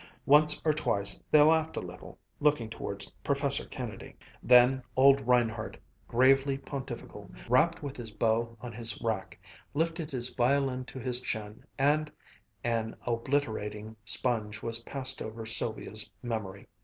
Once or twice they laughed a little, looking towards Professor Kennedy. Then old Reinhardt, gravely pontifical, rapped with his bow on his rack, lifted his violin to his chin, and an obliterating sponge was passed over Sylvia's memory.